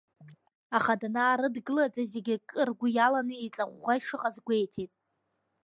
Аха данаарыдгылаӡа, зегьы акы ргәы иаланы, еиҵаӷәӷәа ишыҟаз гәеиҭеит.